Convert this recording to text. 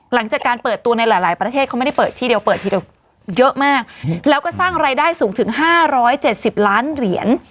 หลังจากการเปิดตัวในหลายประเทศเขาไม่ได้เปิดที่เดียวเปิดทีเดียวเยอะมากแล้วก็สร้างรายได้สูงถึง๕๗๐ล้านเหรียญ